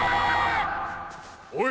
おい！